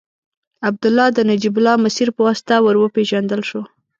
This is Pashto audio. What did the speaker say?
عبدالله د نجیب الله مسیر په واسطه ور وپېژندل شو.